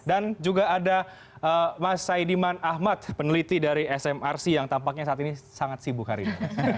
dan juga ada mas saidiman ahmad peneliti dari smrc yang tampaknya saat ini sangat sibuk hari ini